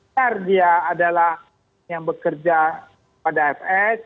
karena dia adalah yang bekerja pada fs